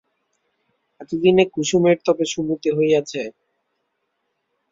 এতদিনে কুসুমের তবে সুমতি হইয়াছে?